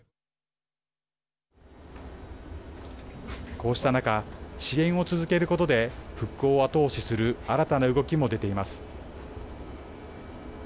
こうした中支援を続けることで復興を後押しする新たな動きも出ています。